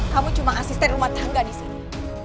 kamu cuma asisten rumah tangga di sini